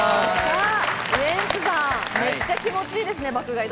めっちゃ気持ち良いですね、爆買い。